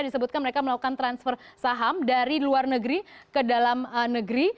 disebutkan mereka melakukan transfer saham dari luar negeri ke dalam negeri